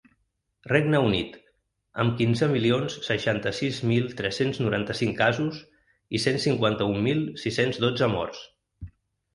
Regne Unit, amb quinze milions seixanta-sis mil tres-cents noranta-cinc casos i cent cinquanta-un mil sis-cents dotze morts.